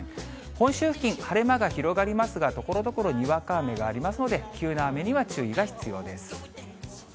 本州付近、晴れ間が広がりますが、ところどころにわか雨がありますので、急な雨には注意が必要です。